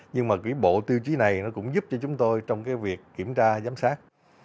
nhưng mà cái bộ tiêu chí này nó cũng giúp cho chúng tôi trong cái việc kiểm tra giám sát